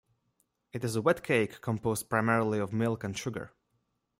It is a wet cake composed primarily of milk and sugar.